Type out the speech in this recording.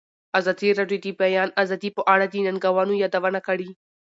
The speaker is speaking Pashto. ازادي راډیو د د بیان آزادي په اړه د ننګونو یادونه کړې.